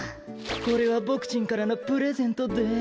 これはボクちんからのプレゼントです。